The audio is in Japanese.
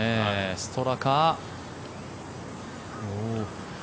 ストラカ。